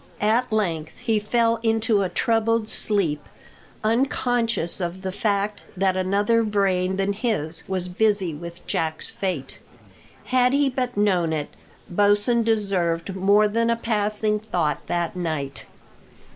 At length he fell into a troubled sleep, unconscious of the fact that another brain than his was busy with Jack's fate. Had he but known it, Bosin deserved more than a passing thought that night.